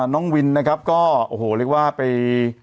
น้องวินนะครับก็เป็นเลยว่าไป